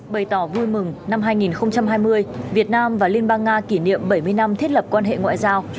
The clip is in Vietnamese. bày tỏ vui mừng năm hai nghìn hai mươi việt nam và liên bang nga kỷ niệm bảy mươi năm thiết lập quan hệ ngoại giao